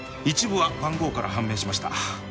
一部は番号から判明しました。